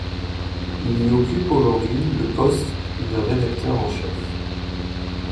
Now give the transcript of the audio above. Il y occupe aujourd'hui le poste de rédacteur en chef.